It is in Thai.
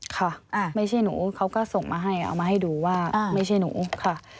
ค่ะไม่ใช่หนูเขาก็ส่งมาให้เอามาให้ดูว่าไม่ใช่หนูค่ะ